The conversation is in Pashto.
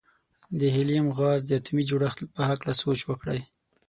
د هیلیم غاز د اتومي جوړښت په هکله سوچ وکړئ.